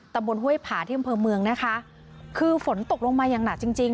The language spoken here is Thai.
แต่บนห้วยผาที่กำเพิ่มเมืองนะคะคือฝนตกลงมายังหนาจริงจริง